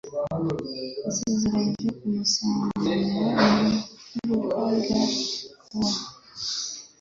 Yasezeranije kumusanganira mu iduka rya kawa.